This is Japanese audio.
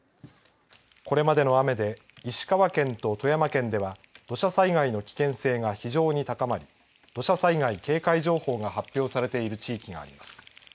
これまでの雨で石川県と富山県では土砂災害の危険性が非常に高まり土砂災害警戒情報が発表されている地域があります。